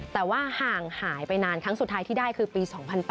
แต่ว่าห่างหายไปนานครั้งสุดท้ายที่ได้คือปี๒๐๐๘